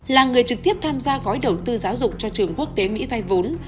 là người trực tiếp tham gia gói đầu tư giáo dục cho trường quốc tế mỹ vay vốn